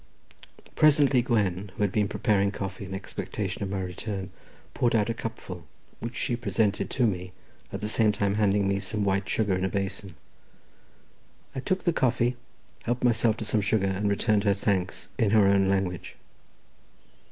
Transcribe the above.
Presently Gwen, who had been preparing coffee in expectation of my return, poured out a cupful, which she presented to me, at the same time handing me some white sugar in a basin. I took the coffee, helped myself to some sugar, and returned her thanks in her own language.